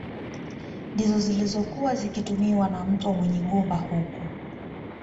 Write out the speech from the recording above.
Ndizo zilizokuwa zikitumiwa na Mtwa Munyigumba huku